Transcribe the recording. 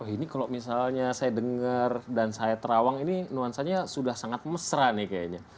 ini kalau misalnya saya dengar dan saya terawang ini nuansanya sudah sangat mesra nih kayaknya